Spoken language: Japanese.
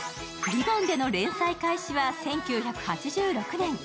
「りぼん」での連載開始は１９８６年。